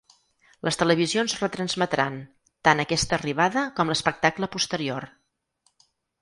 Les televisions retransmetran tant aquesta arribada com l’espectacle posterior.